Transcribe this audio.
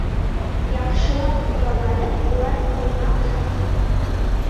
Яҡшылап ҡоралланып, улар ҡойма аша сыҡты.